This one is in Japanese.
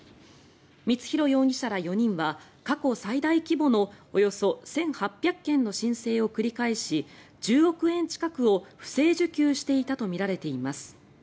光弘容疑者ら４人は過去最大規模のおよそ１８００件の申請を繰り返し１０億円近くを不正受給していたとみられています。